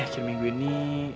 akhir minggu ini